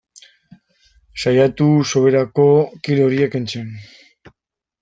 Saiatu soberako kilo horiek kentzen.